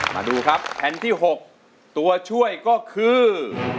มาดูครับแผ่นที่๖ตัวช่วยก็คือ